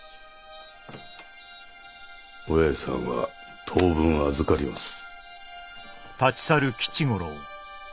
お八重さんは当分預かります。